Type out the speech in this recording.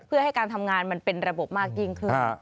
เพื่อให้การทำงานมันเป็นระบบมากยิ่งขึ้น